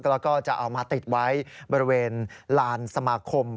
แล้วก็จะเอามาติดไว้บริเวณลานสมาคม